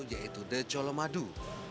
yaitu the jolomadu